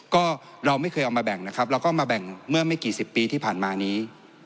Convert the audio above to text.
ก็เราไม่เคยเอามาแบ่งนะครับเราก็มาแบ่งเมื่อไม่กี่สิบปีที่ผ่านมานี้